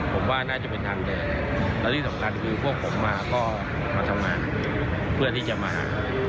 ผมว่าน่าจะเป็นทางแดงและที่สำคัญคือพวกผมมาก็มาทำงานเพื่อที่จะมาหา